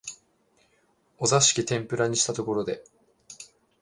お座敷天婦羅にしたところで、